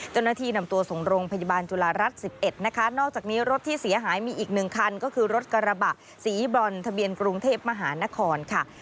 เจ้าหน้าที่นำตัวส่งโรงพยาบาลจุฬารัฐ๑๑นะคะนอกจากนี้รถที่เสียหายมีอีกหนึ่งคันก็คือรถกระบะสีบรอนทะเบียนกรุงเทพมหานครค่ะ